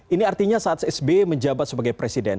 ini artinya saat sb menjabat sebagai presiden